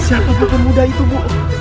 siapa buku pemuda itu bu